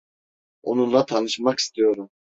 Onunla tanışmak istiyorum.